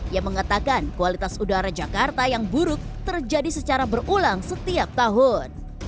yang mengatakan kualitas udara jakarta yang buruk terjadi secara berulang setiap tahun